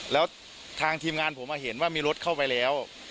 แล้วทางทีมงานผมเห็นว่ามีรถเข้าไปแล้ว